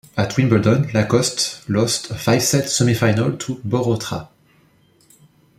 At Wimbledon Lacoste lost a five-set semifinal to Borotra.